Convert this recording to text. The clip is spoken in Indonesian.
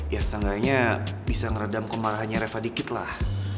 ya setengahnya bisa ngeredam kemarahannya reva dikit lah